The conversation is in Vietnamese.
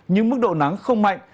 nhưng mức độ nắng không mạnh